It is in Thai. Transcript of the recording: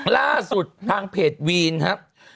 ล่าสุดทางเพจวีนฮะ